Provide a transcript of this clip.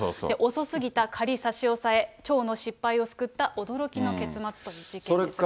遅すぎた仮差し押さえ、町の失敗を救った驚きの結末という事件です。